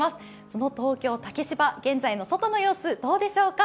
その東京・竹芝、現在の外の様子、いかがでしょうか。